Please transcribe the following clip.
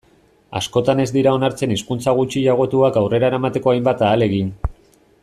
Askotan ez dira onartzen hizkuntza gutxiagotuak aurrera eramateko hainbat ahalegin.